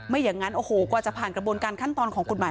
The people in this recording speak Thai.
อย่างนั้นโอ้โหกว่าจะผ่านกระบวนการขั้นตอนของกฎหมาย